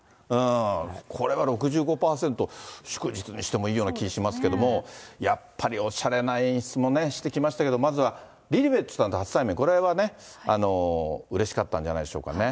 これは６５％、祝日にしてもいいような気がしますけど、やっぱりおしゃれな演出もね、してきましたけど、まずはリリベットちゃんと初対面、これはね、うれしかったんじゃないでしょうかね。